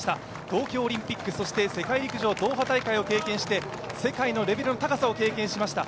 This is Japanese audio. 東京オリンピック、世界陸上ドーハ大会を経験して世界のレベルの高さを経験しました。